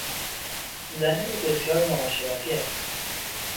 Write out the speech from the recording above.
زن او بسیار معاشرتی است.